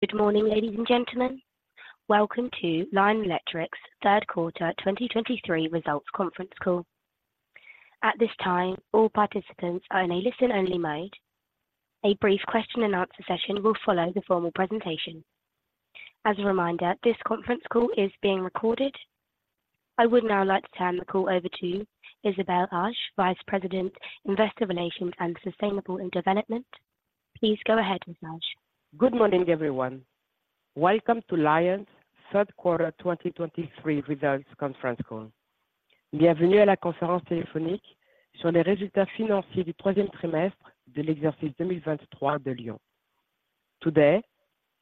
Good morning, ladies and gentlemen. Welcome to Lion Electric's Third Quarter 2023 Results Conference Call. At this time, all participants are in a listen-only mode. A brief question-and-answer session will follow the formal presentation. As a reminder, this conference call is being recorded. I would now like to turn the call over to Isabelle Adjahi, Vice President, Investor Relations and Sustainable Development. Please go ahead, Ms. Adjahi. Good morning, everyone. Welcome to Lion's Third Quarter 2023 Results Conference Call. Today,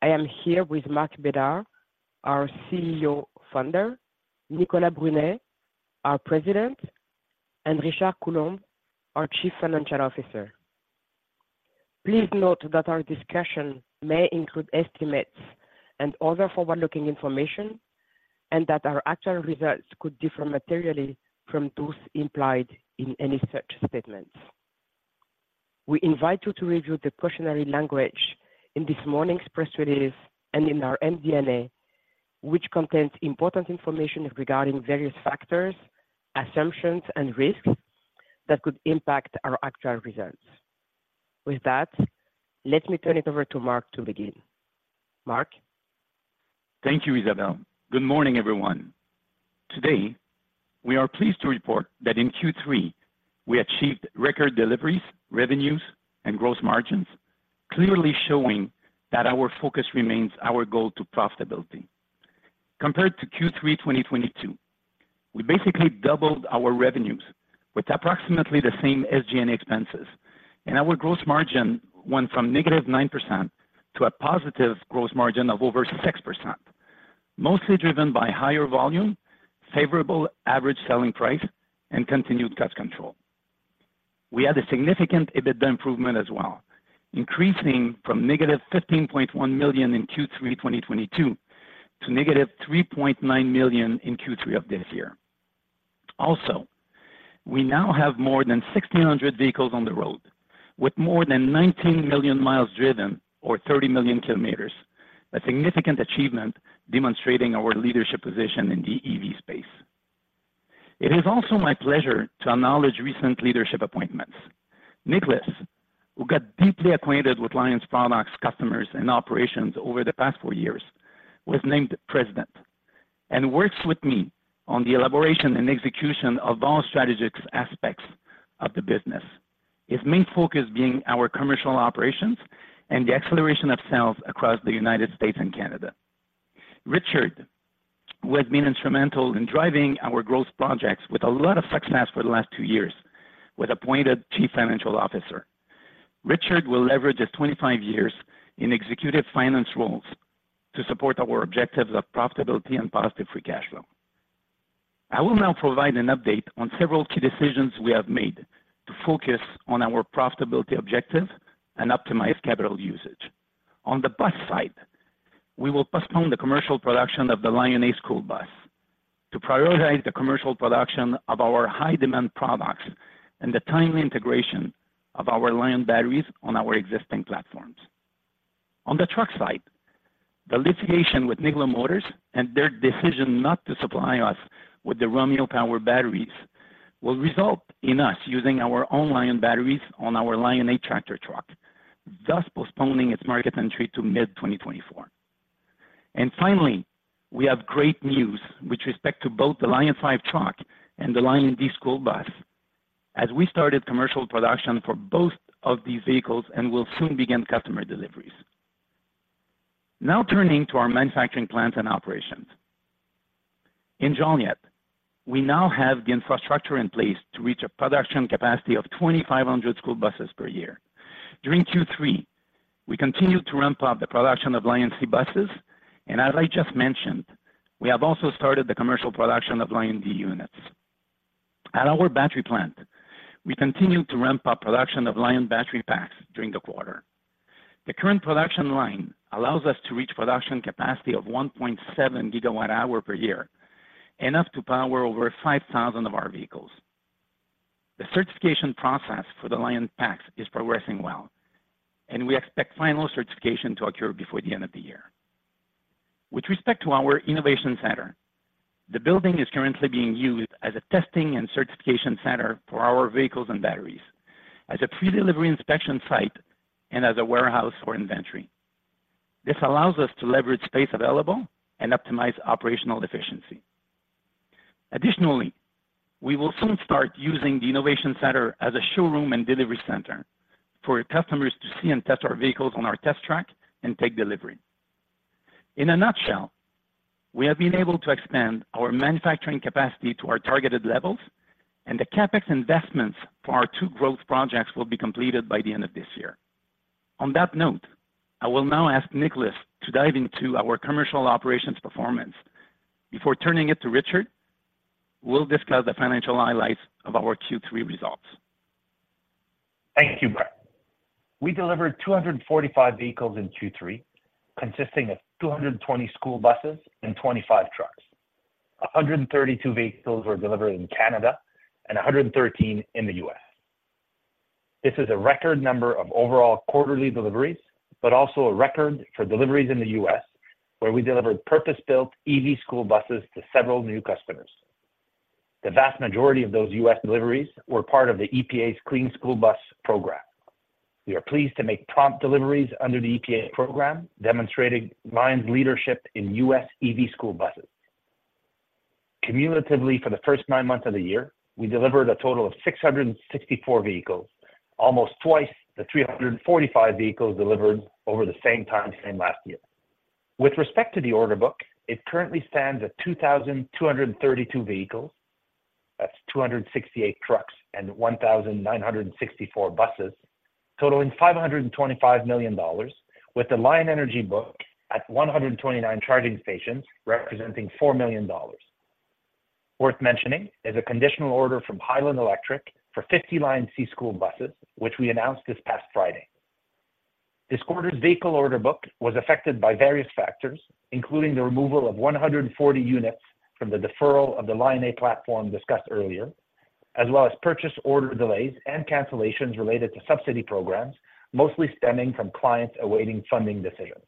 I am here with Marc Bédard, our CEO Founder, Nicolas Brunet, our President, and Richard Coulombe, our Chief Financial Officer. Please note that our discussion may include estimates and other forward-looking information, and that our actual results could differ materially from those implied in any such statements. We invite you to review the cautionary language in this morning's press release and in our MD&A, which contains important information regarding various factors, assumptions, and risks that could impact our actual results. With that, let me turn it over to Marc to begin. Marc? Thank you, Isabelle. Good morning, everyone. Today, we are pleased to report that in Q3, we achieved record deliveries, revenues, and gross margins, clearly showing that our focus remains our goal to profitability. Compared to Q3 2022, we basically doubled our revenues with approximately the same SG&A expenses, and our gross margin went from -9% to a positive gross margin of over 6%, mostly driven by higher volume, favorable average selling price, and continued cost control. We had a significant EBITDA improvement as well, increasing from -15.1 million in Q3 2022 to -3.9 million in Q3 of this year. Also, we now have more than 1,600 vehicles on the road, with more than 19 million miles driven, or 30 million kilometers, a significant achievement demonstrating our leadership position in the EV space. It is also my pleasure to acknowledge recent leadership appointments. Nicolas, who got deeply acquainted with Lion's products, customers, and operations over the past four years, was named President and works with me on the elaboration and execution of all strategic aspects of the business. His main focus being our commercial operations and the acceleration of sales across the United States and Canada. Richard, who has been instrumental in driving our growth projects with a lot of success for the last two years, was appointed Chief Financial Officer. Richard will leverage his 25 years in executive finance roles to support our objectives of profitability and positive free cash flow. I will now provide an update on several key decisions we have made to focus on our profitability objectives and optimize capital usage. On the bus side, we will postpone the commercial production of the LionA school bus to prioritize the commercial production of our high-demand products and the timely integration of our Lion batteries on our existing platforms. On the truck side, the litigation with Nikola Corporation and their decision not to supply us with the Romeo Power batteries will result in us using our own Lion batteries on our LionA Tractor, thus postponing its market entry to mid-2024. Finally, we have great news with respect to both the Lion5 truck and the LionD school bus, as we started commercial production for both of these vehicles and will soon begin customer deliveries. Now, turning to our manufacturing plants and operations. In Joliet, we now have the infrastructure in place to reach a production capacity of 2,500 school buses per year. During Q3, we continued to ramp up the production of LionC buses, and as I just mentioned, we have also started the commercial production of LionD units. At our battery plant, we continued to ramp up production of LionBattery packs during the quarter. The current production line allows us to reach production capacity of 1.7 GWh per year, enough to power over 5,000 of our vehicles. The certification process for the LionBattery packs is progressing well, and we expect final certification to occur before the end of the year. With respect to our innovation center, the building is currently being used as a testing and certification center for our vehicles and batteries, as a pre-delivery inspection site, and as a warehouse for inventory. This allows us to leverage space available and optimize operational efficiency. Additionally, we will soon start using the innovation center as a showroom and delivery center for customers to see and test our vehicles on our test track and take delivery. In a nutshell, we have been able to expand our manufacturing capacity to our targeted levels, and the CapEx investments for our two growth projects will be completed by the end of this year. On that note, I will now ask Nicolas to dive into our commercial operations performance. Before turning it to Richard, we'll discuss the financial highlights of our Q3 results. Thank you, Marc. We delivered 245 vehicles in Q3, consisting of 220 school buses and 25 trucks. 132 vehicles were delivered in Canada and 113 in the U.S.... This is a record number of overall quarterly deliveries, but also a record for deliveries in the U.S., where we delivered purpose-built EV school buses to several new customers. The vast majority of those U.S. deliveries were part of the EPA's Clean School Bus Program. We are pleased to make prompt deliveries under the EPA program, demonstrating Lion's leadership in U.S. EV school buses. Cumulatively, for the first nine months of the year, we delivered a total of 664 vehicles, almost twice the 345 vehicles delivered over the same time frame last year. With respect to the order book, it currently stands at 2,232 vehicles. That's 268 trucks and 1,964 buses, totaling $525 million, with the LionEnergy book at 129 charging stations, representing $4 million. Worth mentioning is a conditional order from Highland Electric for 50 LionC school buses, which we announced this past Friday. This quarter's vehicle order book was affected by various factors, including the removal of 140 units from the deferral of the LionA platform discussed earlier, as well as purchase order delays and cancellations related to subsidy programs, mostly stemming from clients awaiting funding decisions.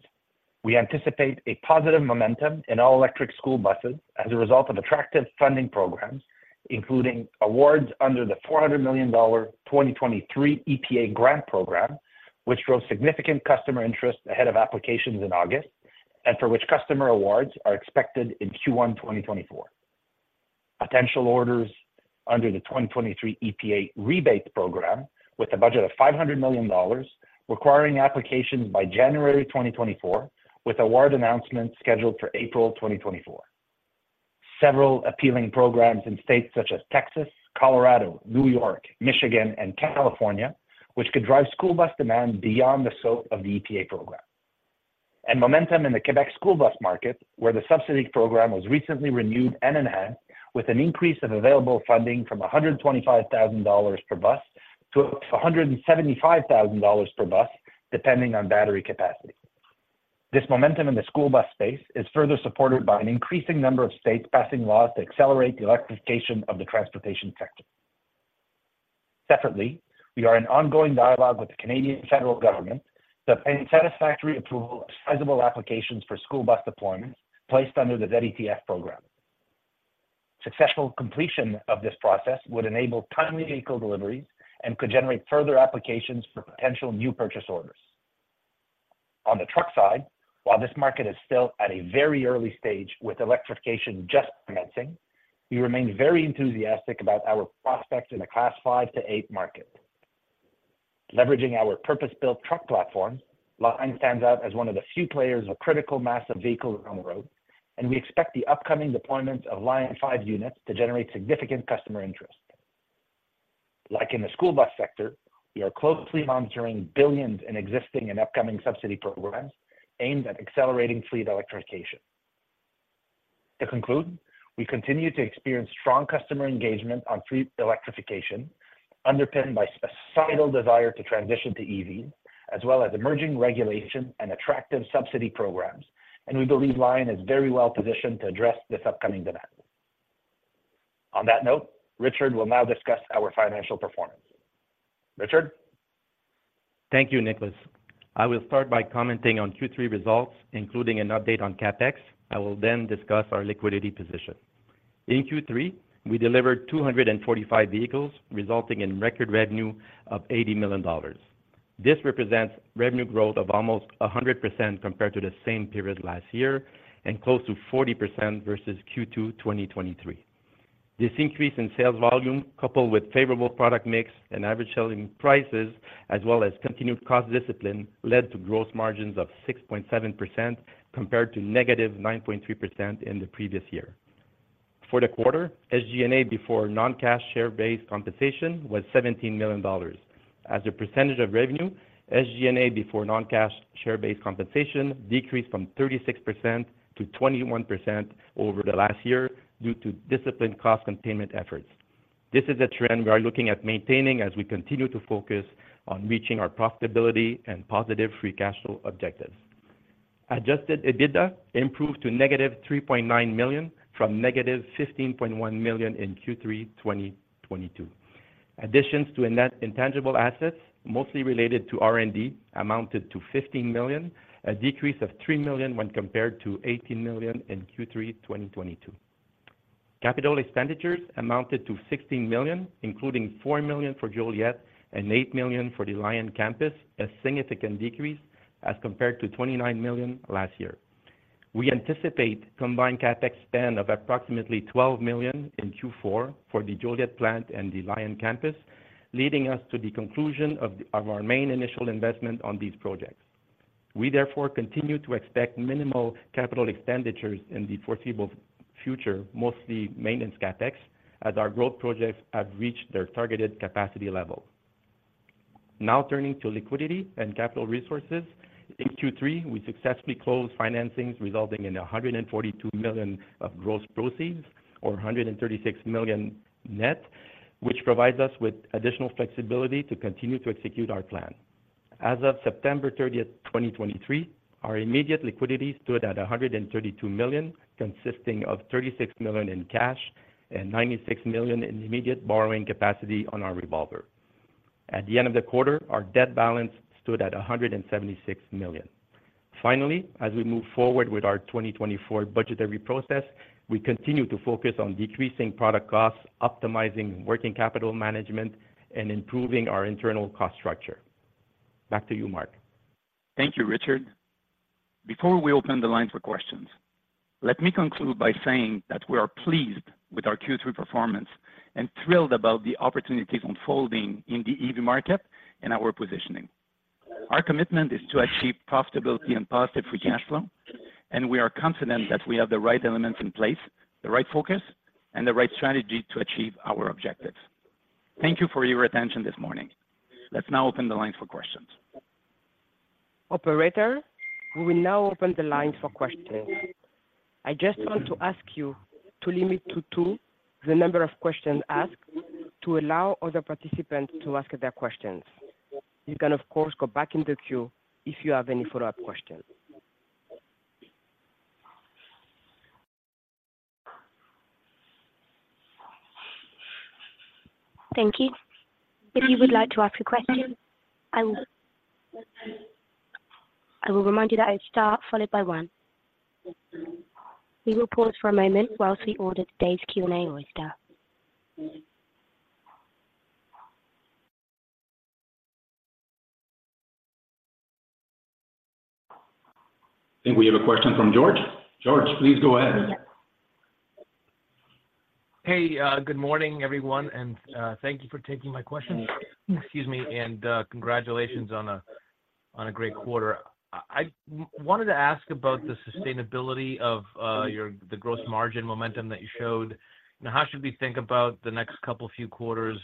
We anticipate a positive momentum in all-electric school buses as a result of attractive funding programs, including awards under the $400 million 2023 EPA grant program, which drove significant customer interest ahead of applications in August, and for which customer awards are expected in Q1 2024. Potential orders under the 2023 EPA rebate program, with a budget of $500 million, requiring applications by January 2024, with award announcements scheduled for April 2024. Several appealing programs in states such as Texas, Colorado, New York, Michigan, and California, which could drive school bus demand beyond the scope of the EPA program. Momentum in the Quebec school bus market, where the subsidy program was recently renewed and enhanced with an increase of available funding from $125,000 per bus to $175,000 per bus, depending on battery capacity. This momentum in the school bus space is further supported by an increasing number of states passing laws to accelerate the electrification of the transportation sector. Separately, we are in ongoing dialogue with the Canadian federal government to obtain satisfactory approval of sizable applications for school bus deployments placed under the ZETF program. Successful completion of this process would enable timely vehicle deliveries and could generate further applications for potential new purchase orders. On the truck side, while this market is still at a very early stage, with electrification just commencing, we remain very enthusiastic about our prospects in the Class 5-8 market. Leveraging our purpose-built truck platform, Lion stands out as one of the few players of critical mass of vehicles on the road, and we expect the upcoming deployment of Lion5 units to generate significant customer interest. Like in the school bus sector, we are closely monitoring billions in existing and upcoming subsidy programs aimed at accelerating fleet electrification. To conclude, we continue to experience strong customer engagement on fleet electrification, underpinned by societal desire to transition to EV, as well as emerging regulation and attractive subsidy programs, and we believe Lion is very well positioned to address this upcoming demand. On that note, Richard will now discuss our financial performance. Richard? Thank you, Nicolas. I will start by commenting on Q3 results, including an update on CapEx. I will then discuss our liquidity position. In Q3, we delivered 245 vehicles, resulting in record revenue of $80 million. This represents revenue growth of almost 100% compared to the same period last year, and close to 40% versus Q2 2023. This increase in sales volume, coupled with favorable product mix and average selling prices, as well as continued cost discipline, led to gross margins of 6.7%, compared to -9.3% in the previous year. For the quarter, SG&A before non-cash share-based compensation was $17 million. As a percentage of revenue, SG&A before non-cash share-based compensation decreased from 36% to 21% over the last year due to disciplined cost containment efforts. This is a trend we are looking at maintaining as we continue to focus on reaching our profitability and positive free cash flow objectives. Adjusted EBITDA improved to negative $3.9 million from negative $15.1 million in Q3 2022. Additions to net intangible assets, mostly related to R&D, amounted to $15 million, a decrease of $3 million when compared to $18 million in Q3 2022. Capital expenditures amounted to $16 million, including $4 million for Joliet and $8 million for the Lion Campus, a significant decrease as compared to $29 million last year. We anticipate combined CapEx spend of approximately $12 million in Q4 for the Joliet plant and the Lion Campus, leading us to the conclusion of our main initial investment on these projects. We therefore continue to expect minimal capital expenditures in the foreseeable future, mostly maintenance CapEx, as our growth projects have reached their targeted capacity level. Now turning to liquidity and capital resources. In Q3, we successfully closed financings, resulting in $142 million of gross proceeds, or $136 million net, which provides us with additional flexibility to continue to execute our plan. As of September 30, 2023, our immediate liquidity stood at $132 million, consisting of $36 million in cash and $96 million in immediate borrowing capacity on our revolver. At the end of the quarter, our debt balance stood at $176 million. Finally, as we move forward with our 2024 budgetary process, we continue to focus on decreasing product costs, optimizing working capital management, and improving our internal cost structure. Back to you, Marc. Thank you, Richard. Before we open the lines for questions, let me conclude by saying that we are pleased with our Q3 performance and thrilled about the opportunities unfolding in the EV market and our positioning. Our commitment is to achieve profitability and positive free cash flow, and we are confident that we have the right elements in place, the right focus, and the right strategy to achieve our objectives. Thank you for your attention this morning. Let's now open the lines for questions. Operator, we will now open the lines for questions. I just want to ask you to limit to two the number of questions asked, to allow other participants to ask their questions. You can, of course, go back in the queue if you have any follow-up questions. Thank you. If you would like to ask a question, I will remind you to press star one. We will pause for a moment while we poll for today's questions. I think we have a question from George. George, please go ahead. Hey, good morning, everyone, and thank you for taking my question. Excuse me, and congratulations on a great quarter. I wanted to ask about the sustainability of your gross margin momentum that you showed, and how should we think about the next couple few quarters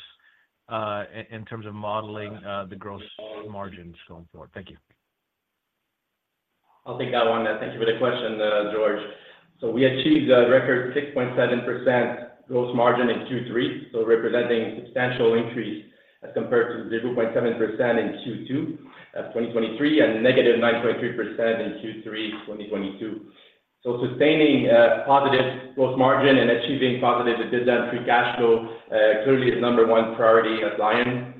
in terms of modeling the gross margins going forward? Thank you. I'll take that one. Thank you for the question, George. So we achieved a record 6.7% gross margin in Q3, so representing a substantial increase as compared to 0.7% in Q2 of 2023, and -9.3% in Q3 2022. So sustaining positive gross margin and achieving positive EBITDA and free cash flow clearly is number one priority at Lion.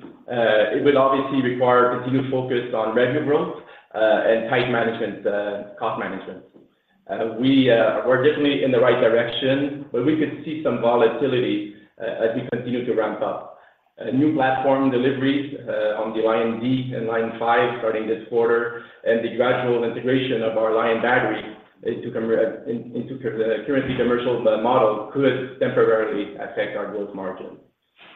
It will obviously require continued focus on revenue growth and tight cost management. We're definitely in the right direction, but we could see some volatility as we continue to ramp up new platform deliveries on the LionD and Lion5, starting this quarter, and the gradual integration of our LionBattery into the currently commercial model could temporarily affect our growth margin.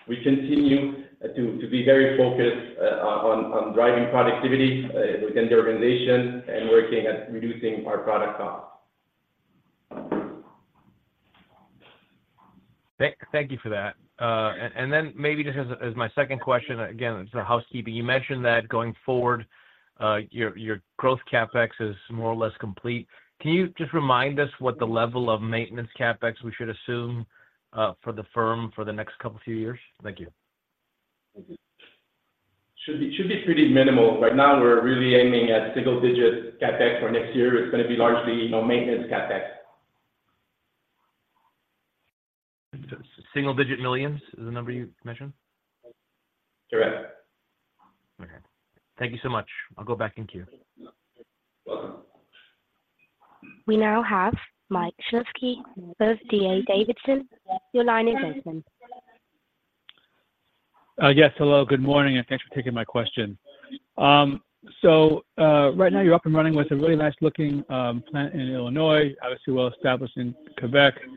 We continue to be very focused on driving productivity within the organization and working at reducing our product costs. Thank you for that. And then maybe just as my second question, again, it's the housekeeping. You mentioned that going forward, your growth CapEx is more or less complete. Can you just remind us what the level of maintenance CapEx we should assume for the firm for the next couple, few years? Thank you. Thank you. Should be pretty minimal. Right now, we're really aiming at single-digit CapEx for next year. It's gonna be largely, you know, maintenance CapEx. Single-digit millions is the number you mentioned? Correct. Okay. Thank you so much. I'll go back in queue. Welcome. We now have Michael Shlisky of D.A. Davidson. Your line is open. Yes, hello, good morning, and thanks for taking my question. So, right now, you're up and running with a really nice-looking plant in Illinois, obviously, well-established in Quebec. Do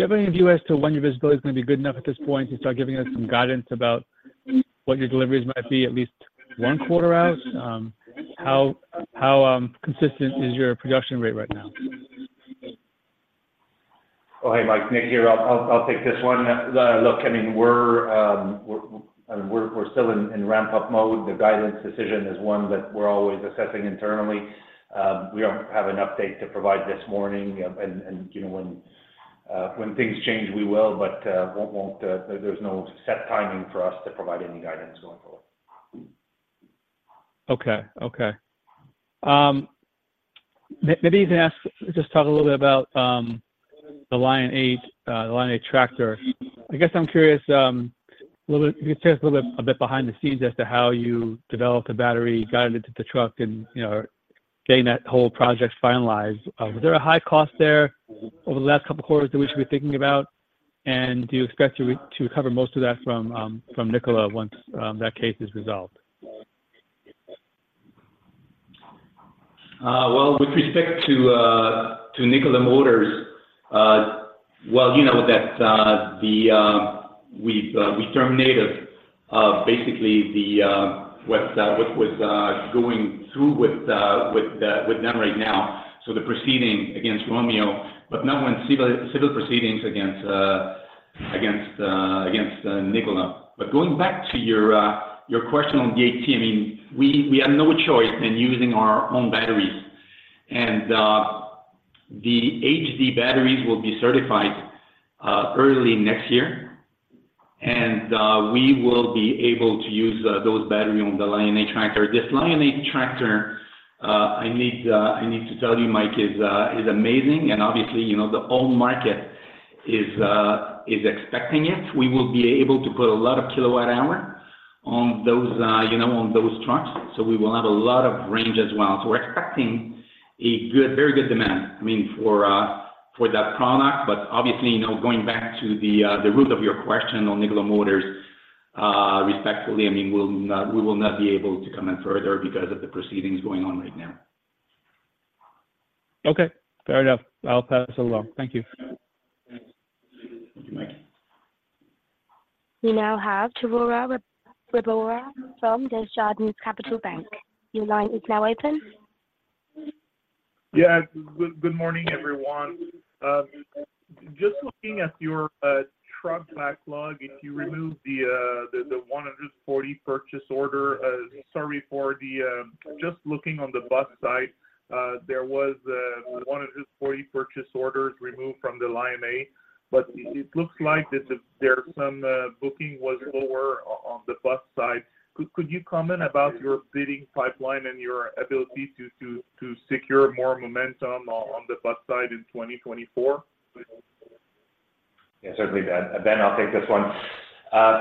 you have any view as to when your visibility is going to be good enough at this point, to start giving us some guidance about what your deliveries might be, at least one quarter out? How consistent is your production rate right now? Oh, hey, Mike. Nic here. I'll take this one. Look, I mean, we're still in ramp-up mode. The guidance decision is one that we're always assessing internally. We don't have an update to provide this morning, and, you know, when things change, we will, but, won't. There's no set timing for us to provide any guidance going forward. Okay. Okay. Maybe you can ask, just talk a little bit about, the LionA, the LionA Tractor. I guess I'm curious, a little bit, if you could tell us a little bit, a bit behind the scenes as to how you developed the battery, got it into the truck, and, you know, getting that whole project finalized. Was there a high cost there over the last couple of quarters that we should be thinking about? And do you expect to, to recover most of that from, from Nikola once, that case is resolved? Well, with respect to to Nikola Motors, well, you know that the we've we terminated basically the what's what was going through with with the with them right now, so the proceeding against Romeo, but not when civil, civil proceedings against against against Nikola. But going back to your your question on the 8T, I mean, we we had no choice in using our own batteries, and the HD batteries will be certified early next year. We will be able to use those batteries on the LionA Tractor. This LionA Tractor, I need to tell you, Mike, is amazing. And obviously, you know, the whole market is expecting it. We will be able to put a lot of kilowatt hour on those, you know, on those trucks, so we will have a lot of range as well. So we're expecting a good, very good demand, I mean, for that product. But obviously, you know, going back to the root of your question on Nikola Corporation, respectfully, I mean, we will not be able to comment further because of the proceedings going on right now. Okay, fair enough. I'll pass it along. Thank you. Thanks. Thank you, Mike. We now have Benoit Poirier from Desjardins Capital Markets. Your line is now open. Yeah, good, good morning, everyone. Just looking at your truck backlog, if you remove the 140 purchase order, sorry for the... Just looking on the bus side, there was 140 purchase orders removed from the LionA, but it looks like this is there some booking was lower on the bus side. Could you comment about your bidding pipeline and your ability to secure more momentum on the bus side in 2024? Yeah, certainly, Ben. Ben, I'll take this one.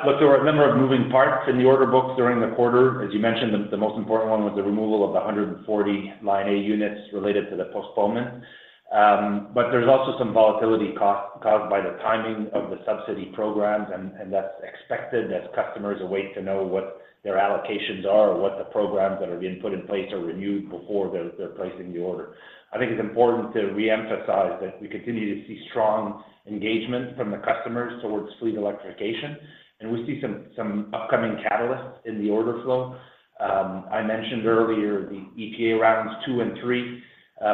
Look, there were a number of moving parts in the order books during the quarter. As you mentioned, the most important one was the removal of the 140 LionA units related to the postponement. But there's also some volatility caused by the timing of the subsidy programs, and that's expected as customers await to know what their allocations are or what the programs that are being put in place are renewed before they're placing the order. I think it's important to reemphasize that we continue to see strong engagement from the customers towards fleet electrification, and we see some upcoming catalysts in the order flow. I mentioned earlier the EPA rounds two and three,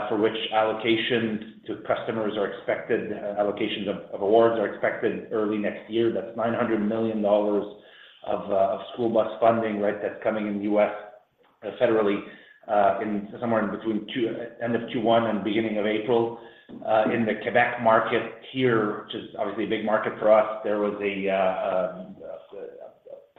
for which allocations to customers are expected, allocations of awards are expected early next year. That's $900 million of school bus funding, right, that's coming in the U.S. federally, in somewhere in between end of Q1 and beginning of April. In the Quebec market here, which is obviously a big market for us, there was a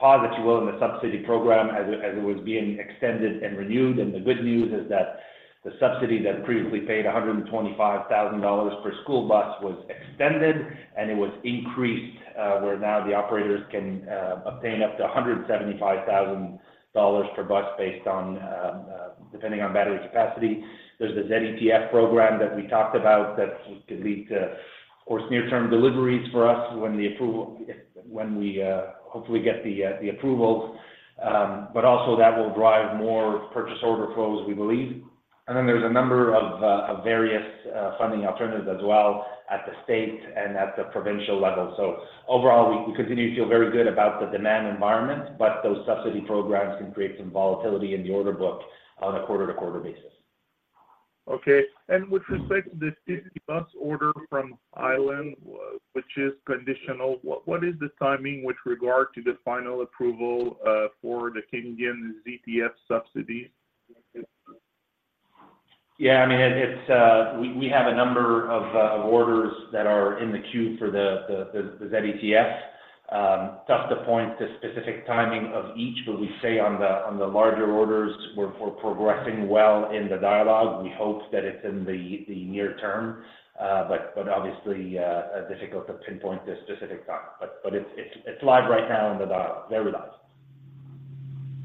pause, if you will, in the subsidy program as it was being extended and renewed. And the good news is that the subsidy that previously paid 125,000 dollars per school bus was extended, and it was increased, where now the operators can obtain up to 175,000 dollars per bus based on, depending on battery capacity. There's the ZETF program that we talked about that could lead to or near-term deliveries for us when we hopefully get the approval. But also that will drive more purchase order flows, we believe. And then there's a number of of various funding alternatives as well at the state and at the provincial level. So overall, we continue to feel very good about the demand environment, but those subsidy programs can create some volatility in the order book on a quarter-to-quarter basis. Okay. And with respect to the city bus order from Ireland, which is conditional, what is the timing with regard to the final approval for the Canadian ZETF subsidy? Yeah, I mean, it's we have a number of orders that are in the queue for the ZETFs. Tough to point to specific timing of each, but we say on the larger orders, we're progressing well in the dialogue. We hope that it's in the near term, but obviously difficult to pinpoint a specific time. But it's live right now in their dialogues.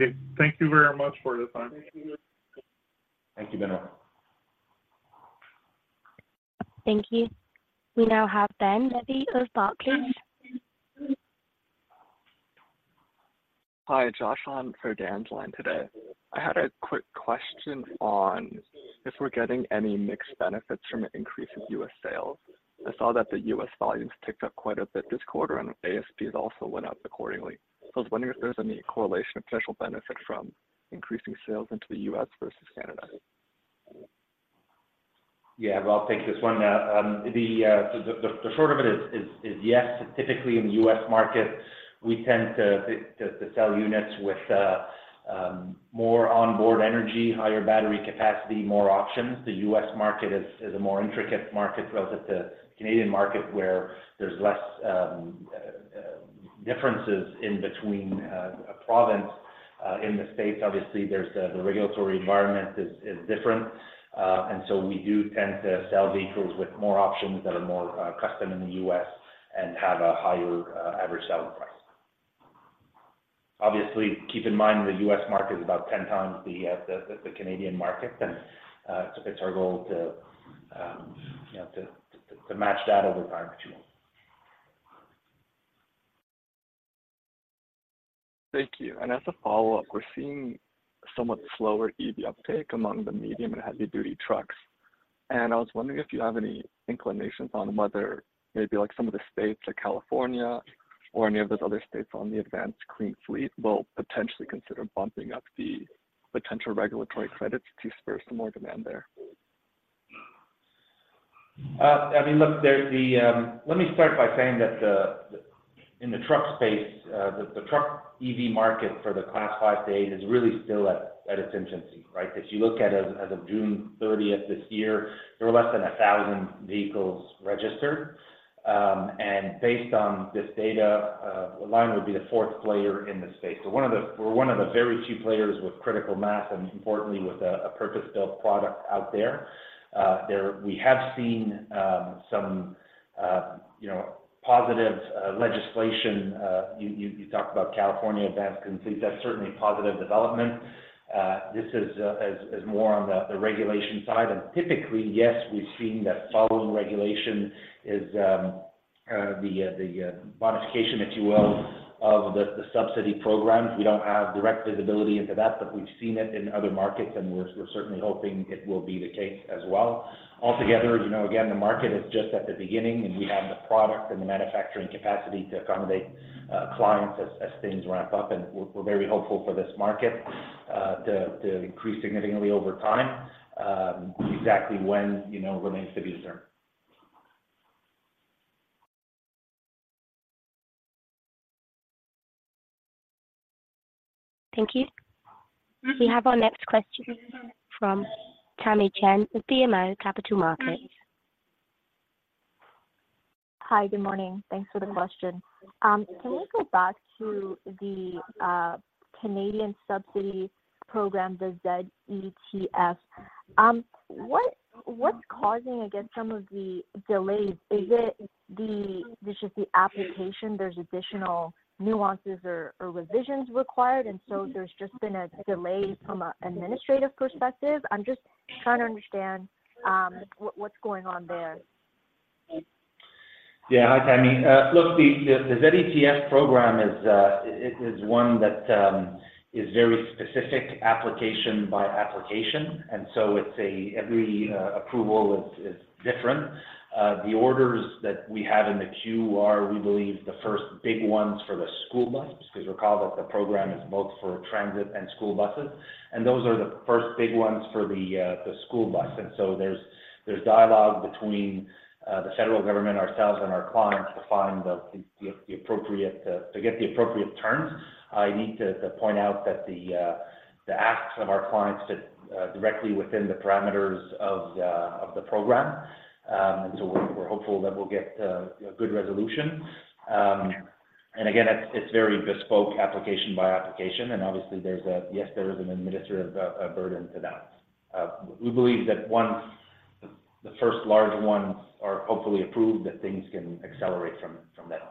Okay. Thank you very much for the time. Thank you, Ben. Thank you. We now have Dan Levy of Barclays. Hi, Josh on for Dan Levy today. I had a quick question on if we're getting any mixed benefits from an increase in U.S. sales. I saw that the U.S. volumes ticked up quite a bit this quarter, and ASPs also went up accordingly. So I was wondering if there's any correlation or potential benefit from increasing sales into the U.S. versus Canada? Yeah, well, I'll take this one. The short of it is yes, typically in the U.S. market, we tend to sell units with more onboard energy, higher battery capacity, more options. The U.S. market is a more intricate market relative to Canadian market, where there's less differences in between a province. In the States, obviously, there's the regulatory environment is different. And so we do tend to sell vehicles with more options that are more custom in the U.S. and have a higher average selling price. Obviously, keep in mind, the U.S. market is about 10 times the Canadian market, and it's our goal to, you know, to match that over time, too. Thank you. As a follow-up, we're seeing somewhat slower EV uptake among the medium and heavy-duty trucks, and I was wondering if you have any inclinations on whether maybe like some of the states, like California or any of those other states on the Advanced Clean Fleets, will potentially consider bumping up the potential regulatory credits to spur some more demand there? I mean, look, in the truck space, the truck EV market for the Class 5-8 is really still at its infancy, right? If you look at, as of June 30 this year, there were less than 1,000 vehicles registered. And based on this data, Lion would be the fourth player in the space. So one of the-- we're one of the very few players with critical mass, and importantly, with a purpose-built product out there. There, we have seen some, you know, positive legislation. You talked about California Advanced Clean Fleets. That's certainly a positive development. This is more on the regulation side. Typically, yes, we've seen that following regulation is the modification, if you will, of the subsidy programs. We don't have direct visibility into that, but we've seen it in other markets, and we're certainly hoping it will be the case as well. Altogether, you know, again, the market is just at the beginning, and we have the product and the manufacturing capacity to accommodate clients as things ramp up, and we're very hopeful for this market to increase significantly over time. Exactly when, you know, remains to be determined. Thank you. We have our next question from Tamy Chen with BMO Capital Markets. Hi, good morning. Thanks for the question. Can we go back to the Canadian subsidy program, the ZETF? What, what's causing, I guess, some of the delays? Is it just the application, there's additional nuances or revisions required, and so there's just been a delay from an administrative perspective? I'm just trying to understand, what, what's going on there? Yeah. Hi, Tamy. Look, the ZETF program is, it is one that is very specific application by application, and so it's every approval is different. The orders that we have in the queue are, we believe, the first big ones for the school bus, because recall that the program is both for transit and school buses, and those are the first big ones for the school bus. And so there's dialogue between the federal government, ourselves, and our clients to find the appropriate to get the appropriate terms. I need to point out that the asks of our clients to directly within the parameters of the program. And so we're hopeful that we'll get a good resolution. And again, it's very bespoke application by application, and obviously, yes, there is an administrative burden to that. We believe that once the first large ones are hopefully approved, that things can accelerate from then on.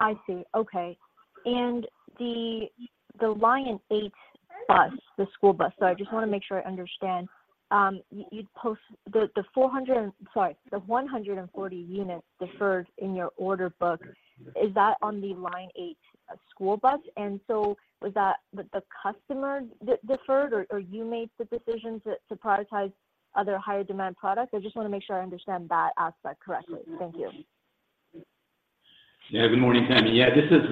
I see. Okay. And the LionA bus, the school bus, so I just wanna make sure I understand. You'd post the 140 units deferred in your order book, is that on the LionA school bus? And so was that the customer that deferred or you made the decision to prioritize other higher demand products? I just wanna make sure I understand that aspect correctly. Thank you. Yeah. Good morning, Tamy. Yeah, this is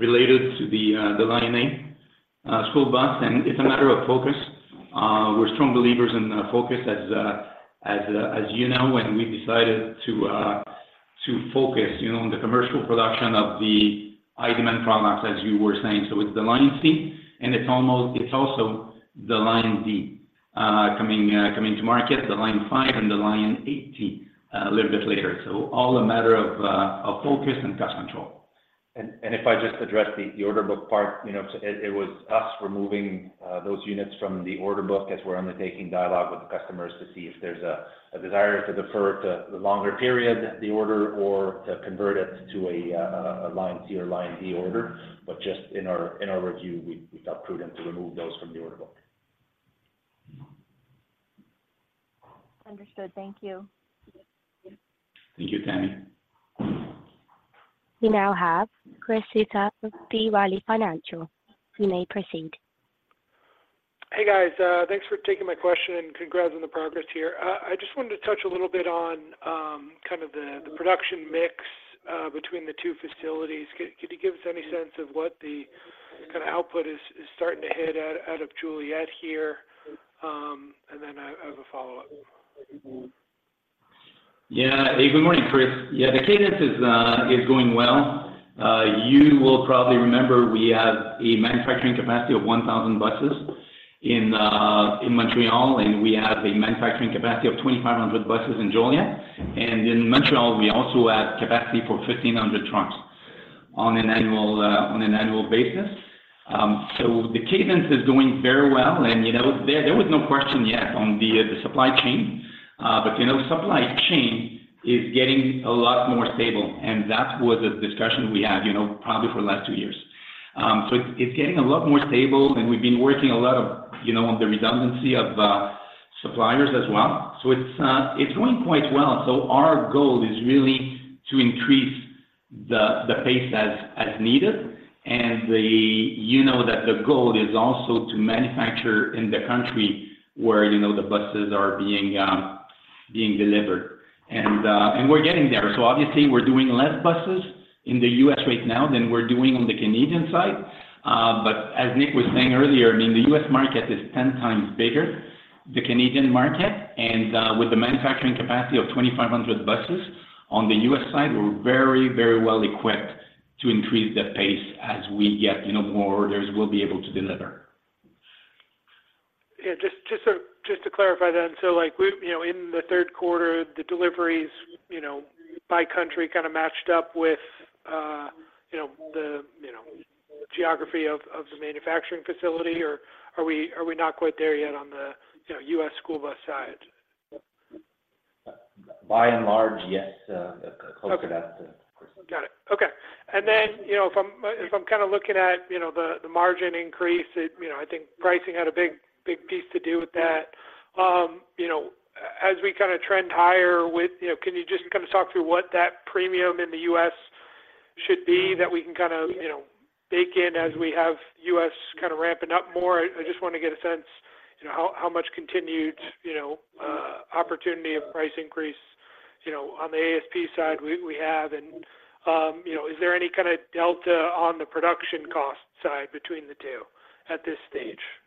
related to the LionA school bus, and it's a matter of focus. We're strong believers in focus, as you know, and we decided to focus, you know, on the commercial production of the high demand products, as you were saying. So it's the LionC, and it's almost—it's also the LionD coming to market, the Lion5 and the LionA a little bit later. So all a matter of focus and cash control. If I just address the order book part, you know, it was us removing those units from the order book as we're undertaking dialogue with the customers to see if there's a desire to defer to the longer period, the order, or to convert it to a LionC or LionD order. But just in our review, we felt prudent to remove those from the order book. Understood. Thank you. Thank you, Tamy. We now have Christopher Souther of B. Riley Securities. You may proceed. Hey, guys, thanks for taking my question and congrats on the progress here. I just wanted to touch a little bit on kind of the production mix between the two facilities. Could you give us any sense of what the kind of output is starting to hit out of Joliet here? And then I have a follow-up. Yeah. Hey, good morning, Chris. Yeah, the cadence is, is going well. You will probably remember we have a manufacturing capacity of 1,000 buses in, in Montreal, and we have a manufacturing capacity of 2,500 buses in Joliet. And in Montreal, we also have capacity for 1,500 trucks on an annual, on an annual basis. So the cadence is doing very well, and, you know, there, there was no question yet on the, the supply chain. But, you know, supply chain is getting a lot more stable, and that was a discussion we had, you know, probably for the last 2 years. So it's, it's getting a lot more stable, and we've been working a lot of, you know, on the redundancy of, suppliers as well. So it's, it's going quite well. So our goal is really to increase the pace as needed. And you know that the goal is also to manufacture in the country where, you know, the buses are being delivered. And we're getting there. So obviously, we're doing less buses in the U.S. right now than we're doing on the Canadian side. But as Nick was saying earlier, I mean, the U.S. market is ten times bigger, the Canadian market, and with the manufacturing capacity of 2,500 buses on the U.S. side, we're very, very well equipped to increase the pace as we get, you know, more orders we'll be able to deliver. Yeah, just to clarify then, so like we, you know, in the third quarter, the deliveries, you know, by country kind of matched up with, you know, the geography of the manufacturing facility? Or are we not quite there yet on the, you know, U.S. school bus side? By and large, yes, close to that. Okay. Got it. Okay. And then, you know, if I'm kind of looking at, you know, the margin increase, it, you know, I think pricing had a big, big piece to do with that. You know, as we kind of trend higher with, you know, can you just kind of talk through what that premium in the U.S. should be, that we can kind of, you know, bake in as we have U.S. kind of ramping up more? I just want to get a sense, you know, how much continued opportunity of price increase, you know, on the ASP side we have, and, you know, is there any kind of delta on the production cost side between the two at this stage? And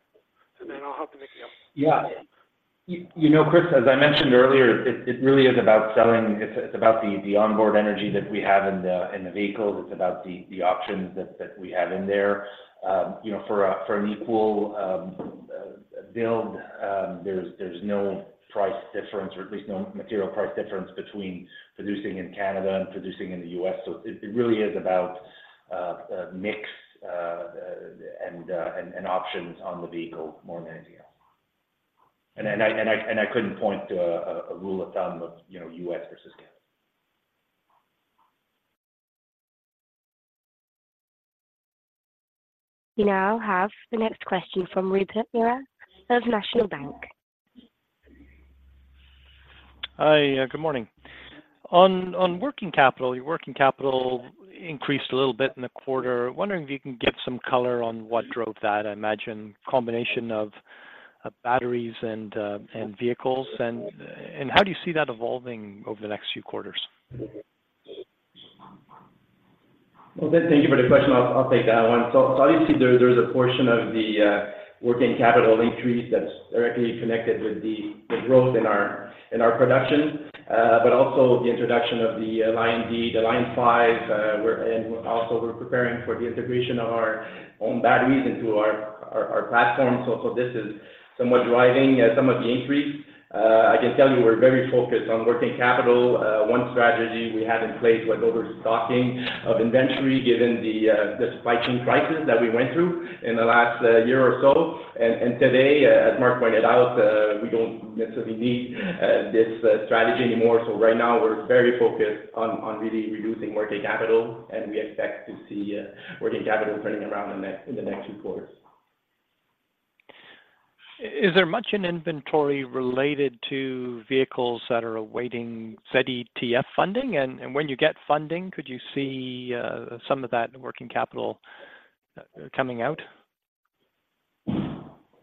then I'll hop to Nick, yeah. Yeah. You know, Chris, as I mentioned earlier, it really is about selling. It's about the onboard energy that we have in the vehicles. It's about the options that we have in there. You know, for an equal build, there's no price difference, or at least no material price difference between producing in Canada and producing in the U.S. So it really is about mix and options on the vehicle more than anything else. And I couldn't point to a rule of thumb of, you know, U.S. versus Canada. We now have the next question from Rupert Merer of National Bank Financial. Hi, good morning. On working capital, your working capital increased a little bit in the quarter. Wondering if you can give some color on what drove that. I imagine a combination of batteries and vehicles, and how do you see that evolving over the next few quarters? Well, thank you for the question. I'll take that one. So obviously, there is a portion of the working capital increase that's directly connected with the growth in our production, but also the introduction of the LionD, the Lion5, and also we're preparing for the integration of our own batteries into our platform. So this is somewhat driving some of the increase. I can tell you we're very focused on working capital. One strategy we had in place was overstocking of inventory, given the spiking prices that we went through in the last year or so. And today, as Marc pointed out, we don't necessarily need this strategy anymore. So right now, we're very focused on really reducing working capital, and we expect to see working capital turning around in the next two quarters. Is there much in inventory related to vehicles that are awaiting ZETF funding? And when you get funding, could you see some of that working capital coming out?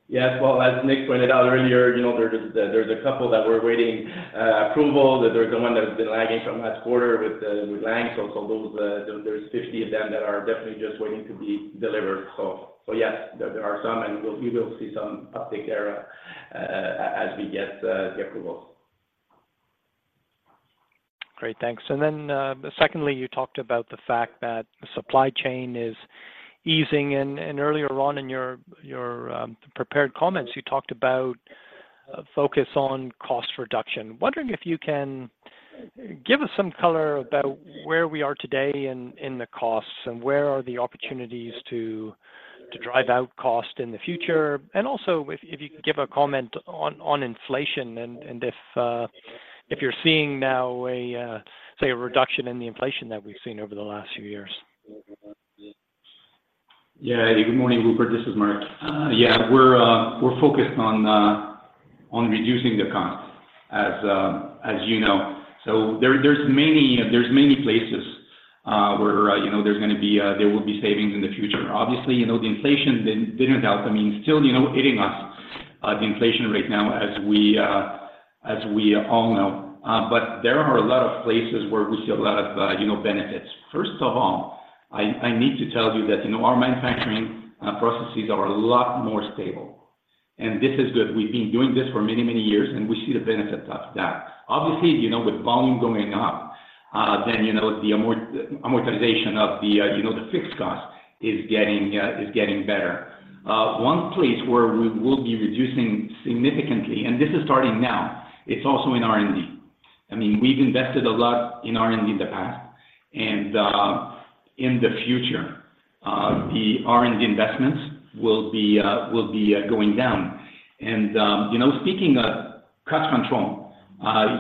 Yes. Well, as Nic pointed out earlier, you know, there, there's a couple that we're waiting approval. There's the one that has been lagging from last quarter with, with Langs. So, so those, there's 50 of them that are definitely just waiting to be delivered. So, so yes, there are some, and we'll-- you will see some uptick there, as we get, the approvals. Great, thanks. And then, secondly, you talked about the fact that the supply chain is easing, and earlier on in your prepared comments, you talked about a focus on cost reduction. Wondering if you can give us some color about where we are today in the costs, and where are the opportunities to drive out cost in the future? And also, if you can give a comment on inflation and if you're seeing now a say, a reduction in the inflation that we've seen over the last few years. Yeah. Good morning, Rupert, this is Marc. Yeah, we're focused on reducing the cost, as you know. So there, there's many places where you know, there will be savings in the future. Obviously, you know, the inflation, without doubt, I mean, still, you know, hitting us, the inflation right now, as we all know. But there are a lot of places where we see a lot of, you know, benefits. First of all, I need to tell you that, you know, our manufacturing processes are a lot more stable, and this is good. We've been doing this for many, many years, and we see the benefits of that. Obviously, you know, with volume going up, then, you know, the amortization of the, you know, the fixed cost is getting better. One place where we will be reducing significantly, and this is starting now, it's also in R&D. I mean, we've invested a lot in R&D in the past, and, in the future, the R&D investments will be going down. You know, speaking of cost control,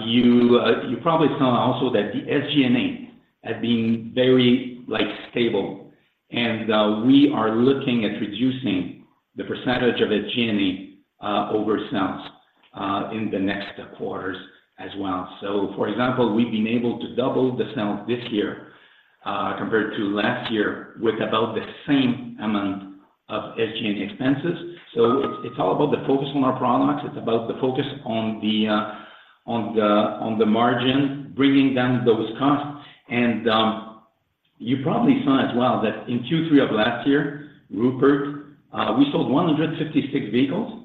you probably saw also that the SG&A has been very, like, stable, and, we are looking at reducing the percentage of SG&A over sales in the next quarters as well. So, for example, we've been able to double the sales this year compared to last year, with about the same amount of SG&A expenses. So it's all about the focus on our products. It's about the focus on the margin, bringing down those costs. And you probably saw as well that in Q3 of last year, Rupert, we sold 156 vehicles.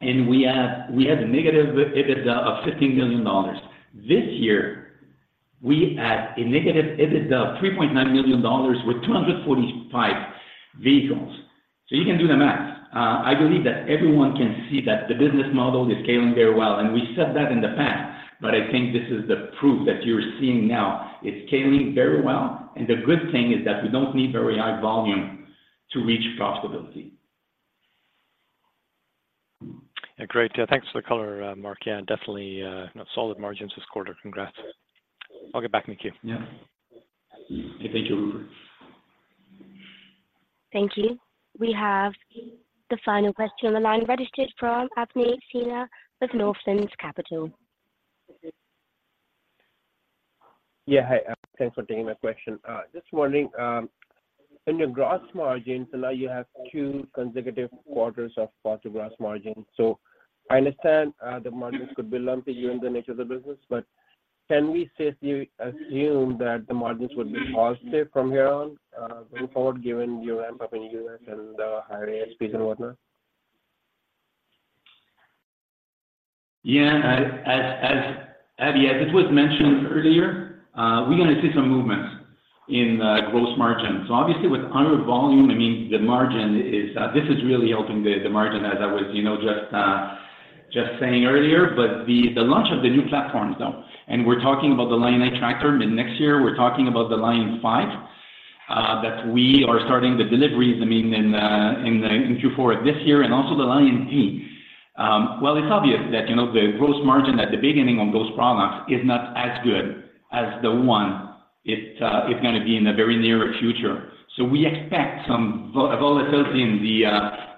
And we had a negative EBITDA of $15 million. This year, we had a negative EBITDA of $3.9 million with 245 vehicles. So you can do the math. I believe that everyone can see that the business model is scaling very well, and we said that in the past, but I think this is the proof that you're seeing now. It's scaling very well, and the good thing is that we don't need very high volume to reach profitability. Great. Thanks for the color, Marc. Yeah, definitely, solid margins this quarter. Congrats. I'll get back in the queue. Yeah. Thank you, Rupert. Thank you. We have the final question on the line registered from Abhishek Sinha with Northland Capital Markets. Yeah, hi. Thanks for taking my question. Just wondering, in your gross margins, so now you have two consecutive quarters of positive gross margin. So I understand, the margins could be lumpy given the nature of the business, but can we safely assume that the margins would be positive from here on, going forward, given your ramp up in U.S. and the higher ASPs and whatnot? Yeah. As it was mentioned earlier, we're gonna see some movement in gross margin. So obviously, with higher volume, I mean, the margin is... This is really helping the margin as I was, you know, just saying earlier, but the launch of the new platforms, though, and we're talking about the LionA Tractor mid-next year, we're talking about the Lion5, that we are starting the deliveries, I mean, in Q4 of this year, and also the LionD. Well, it's obvious that, you know, the gross margin at the beginning on those products is not as good as the one it's gonna be in the very near future. So we expect some volatility in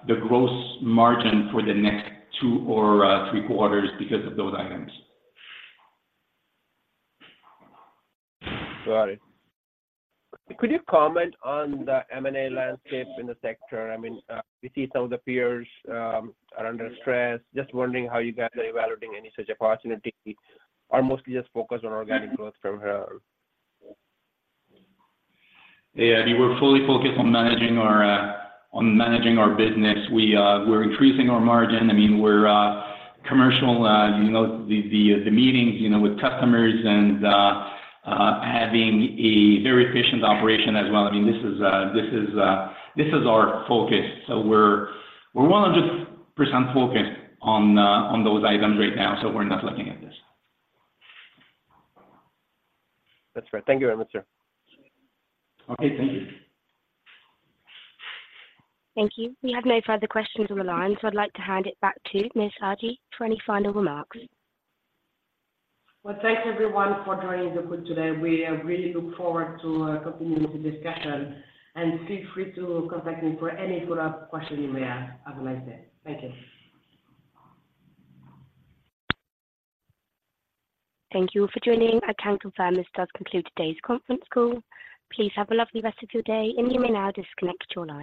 the gross margin for the next two or three quarters because of those items. Got it. Could you comment on the M&A landscape in the sector? I mean, we see some of the peers are under stress. Just wondering how you guys are evaluating any such opportunity, or mostly just focused on organic growth from here? Yeah, we're fully focused on managing our, on managing our business. We, we're increasing our margin. I mean, we're commercial, you know, the meetings, you know, with customers and having a very efficient operation as well. I mean, this is our focus, so we're, we're 100% focused on, on those items right now, so we're not looking at this. That's fair. Thank you very much, sir. Okay, thank you. Thank you. We have no further questions on the line, so I'd like to hand it back to Ms. Hardy for any final remarks. Well, thanks, everyone, for joining the call today. We really look forward to continuing the discussion, and feel free to contact me for any follow-up question you may have. Have a nice day. Thank you. Thank you for joining. On account of time, this does conclude today's conference call. Please have a lovely rest of your day, and you may now disconnect your lines.